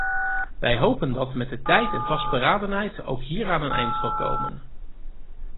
Wij hopen dat met de tijd en vastberadenheid ook hieraan een eind zal komen.